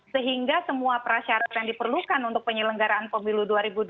sehingga semua prasyarat yang diperlukan untuk penyelenggaraan pemilu dua ribu dua puluh